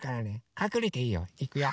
かくれていいよ。いくよ。